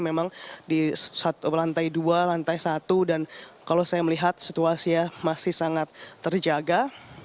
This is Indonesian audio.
memang di lantai dua lantai satu dan kalau saya melihat situasi masih sangat terjaga